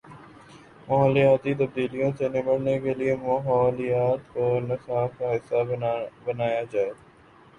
ماحولیاتی تبدیلیوں سے نمٹنے کے لیے ماحولیات کو نصاب کا حصہ بنایا جائے۔